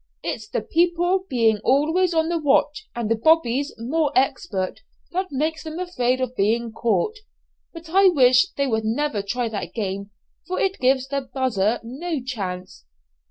It's the people being always on the watch, and the 'Bobbies' more expert, that makes them afraid of being caught. But I wish they would never try that game, for it gives the 'buzzer' no chance."